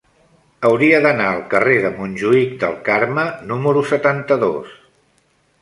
Hauria d'anar al carrer de Montjuïc del Carme número setanta-dos.